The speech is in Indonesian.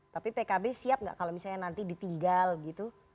tapi pkb siap nggak kalau misalnya nanti ditinggal gitu